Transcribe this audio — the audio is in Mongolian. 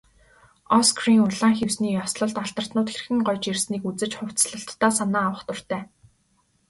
Оскарын улаан хивсний ёслолд алдартнууд хэрхэн гоёж ирснийг үзэж, хувцаслалтдаа санаа авах дуртай.